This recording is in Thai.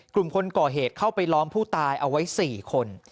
กลุ่มคนก่อเหตุเข้าไปล้อมผู้ตายเอาไว้๔คน